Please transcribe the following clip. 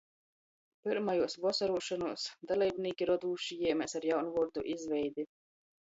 Pyrmajuos "Vosoruošonuos" daleibnīki rodūši jēmēs ar jaunvuordu izveidi.